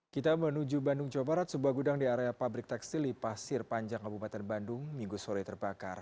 kita menuju bandung jawa barat sebuah gudang di area pabrik tekstil di pasir panjang kabupaten bandung minggu sore terbakar